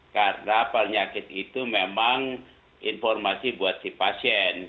karena penyakit itu memang informasi buat si pasien